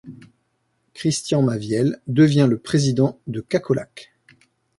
Christian Maviel devient le président de Cacolac.